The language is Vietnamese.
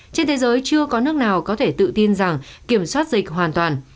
trên thế giới chưa có nước nào có thể tự tin rằng kiểm soát dịch hoàn toàn